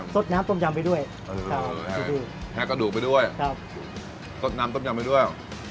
สดน้ำต้มยำไปด้วยใช่กระดูกไปด้วยครับสดน้ำต้มยำไปด้วย